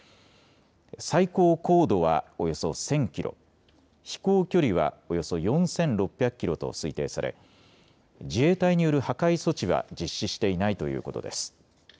最高高度はおよそ１０００キロ、飛行距離はおよそ４６００キロと推定され自衛隊による破壊措置は実施していないということです。